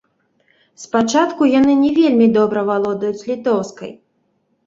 Спачатку яны не вельмі добра валодаюць літоўскай.